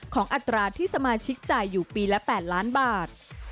อัตราที่สมาชิกจ่ายอยู่ปีละ๘ล้านบาท